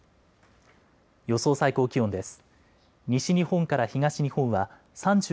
予想最高気温です。